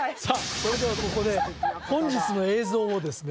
それではここで本日の映像をですね